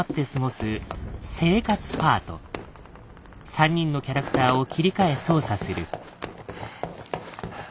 ３人のキャラクターを切り替え操作する。